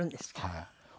はい。